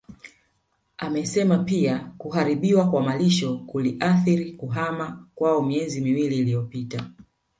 Amesema pia kuharibiwa kwa malisho kuliathiri kuhama kwao miezi miwili iliyopita